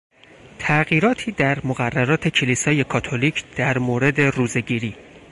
تغییراتی در مقررات کلیسای کاتولیک در مورد روزهگیری